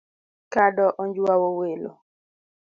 Kado onjwawo welo